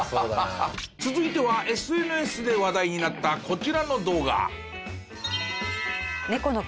続いてはＳＮＳで話題になったこちらの動画。